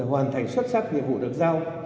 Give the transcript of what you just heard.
hoàn thành xuất sắc nhiệm vụ được giao